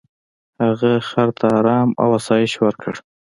هغه خر ته ارام او آسایش ورکړ.